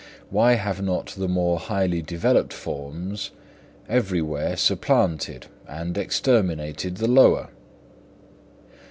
Why have not the more highly developed forms every where supplanted and exterminated the lower?